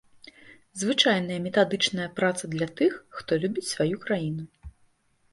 Звычайная метадычная праца для тых, хто любіць сваю краіну.